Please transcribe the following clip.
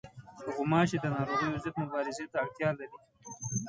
غوماشې د ناروغیو ضد مبارزې ته اړتیا لري.